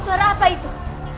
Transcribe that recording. suara apa itu